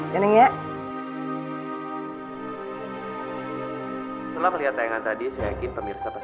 ya neng ya